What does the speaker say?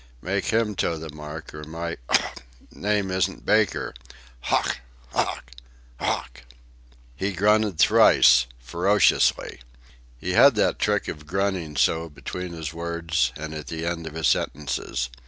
make him toe the mark, or my.... Ough!.... name isn't Baker. Ough! Ough! Ough!" He grunted thrice ferociously. He had that trick of grunting so between his words and at the end of sentences.